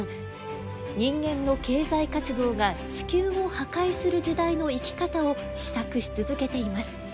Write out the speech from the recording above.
人間の経済活動が地球を破壊する時代の生き方を思索し続けています。